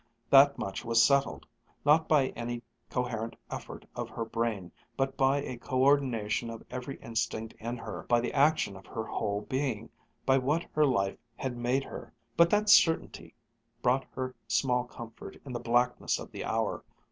That much was settled, not by any coherent effort of her brain, but by a co ordination of every instinct in her, by the action of her whole being, by what her life had made her. But that certainty brought her small comfort in the blackness of the hour.